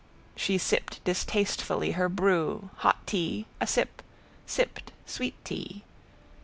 She sipped distastefully her brew, hot tea, a sip, sipped, sweet tea.